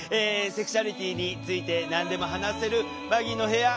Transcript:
セクシュアリティーについて何でも話せるバギーの部屋。